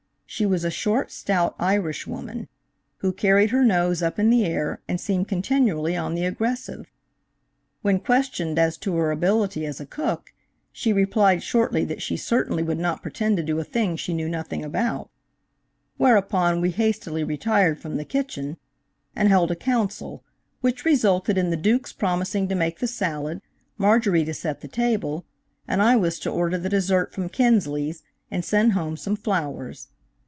She was a short, stout Irish woman, who carried her nose up in the air and seemed continually on the aggressive. When questioned as to her ability as a cook, she replied shortly that she certainly would not pretend to do a thing she knew nothing about, whereupon we hastily retired from the kitchen, and held a council, which resulted in the Duke's promising to make the salad, Marjorie to set the table, and I was to order the dessert from Kinsley's and send home some flowers.